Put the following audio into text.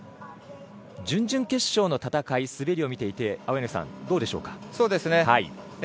準々決勝の戦い、滑りを見ていて青柳さん、どうでしょうか。